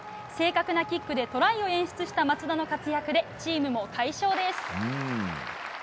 正確なキックでトライを演出した松田の活躍でチームも快勝です。